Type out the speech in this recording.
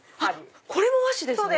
これも和紙ですね。